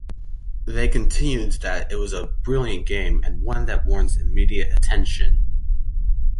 They continued that it was "a brilliant game, and one that warrants immediate attention".